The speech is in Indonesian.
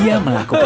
dia melakukan itu